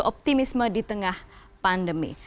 optimisme di tengah pandemi